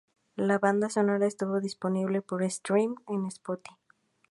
La banda sonora estuvo disponible por "streaming" en Spotify.